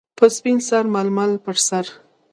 - په سپین سر ململ پر سر.